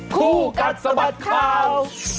คู่กัดสะบัดข่าว